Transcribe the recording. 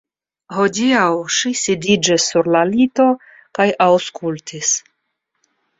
Hodiaŭ ŝi sidiĝis sur la lito kaj aŭskultis.